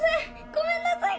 ごめんなさい！